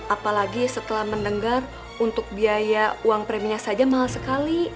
apalagi setelah mendengar untuk biaya uang preminya saja mahal sekali